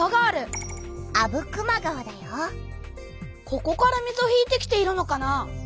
ここから水を引いてきているのかな？